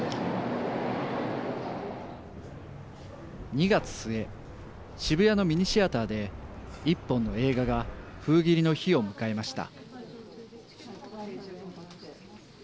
２月末、渋谷のミニシアターで１本の映画が封切りの日を迎えました。